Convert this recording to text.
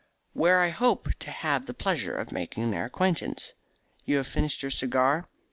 "Where I hope to have the pleasure of making their acquaintance. You have finished your cigar?